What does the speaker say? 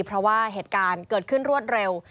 เพราะว่าเหตุการณ์เกิดขึ้นรวดเร็ว